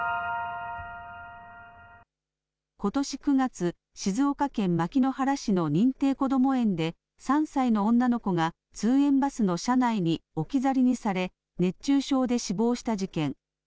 ことし９月、静岡県牧之原市の認定こども園で３歳の女の子が通園バスの車内に置き去りにされ熱中症で死亡した事件。